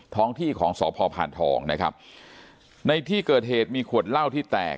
ท้องที่ของสพพานทองนะครับในที่เกิดเหตุมีขวดเหล้าที่แตก